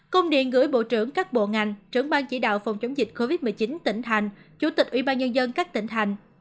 công điện gửi bộ trưởng các bộ ngành trưởng bang chỉ đạo phòng chống dịch covid một mươi chín tỉnh thành chủ tịch ủy ban nhân dân các tỉnh thành